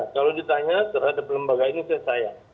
kalau ditanya terhadap lembaga ini saya sayang